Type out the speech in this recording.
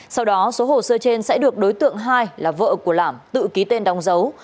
sau đó số hồ sơ trên sẽ được đối tượng hai là vợ của lảm tự ký tên đóng dấu